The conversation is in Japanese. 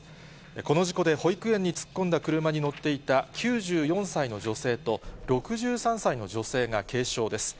この事故で保育園に突っ込んだ車に乗っていた９４歳の女性と６３歳の女性が軽傷です。